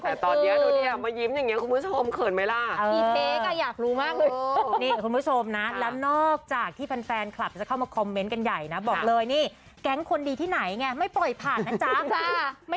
แต่ตอนเดียวดูเธอมายิ้มเหมือนอย่างเนี้ยคุณผู้ชม